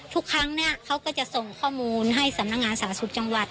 ทุกครั้งเนี่ยเขาก็จะส่งข้อมูลให้สำนักงานสาธารณสุขจังหวัด